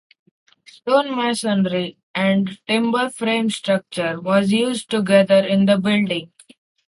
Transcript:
Stone masonry and timber frame structure was used together in the building.